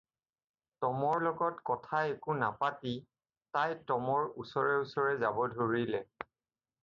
টমৰ লগত কথা একো নাপাতি তাই টমৰ ওচৰে ওচৰে যাব ধৰিলে।